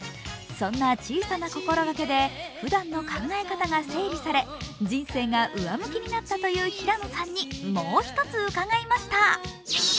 そんな小さな心がけでふだんの考え方が整理され人生が上向きになったという平野さんにもうひとつ伺いました。